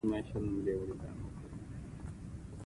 په دې پوه شه چې له ځانه دفاع څنګه وکړم .